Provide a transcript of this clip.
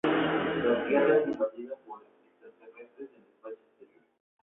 La Tierra es invadida por extraterrestres del espacio exterior.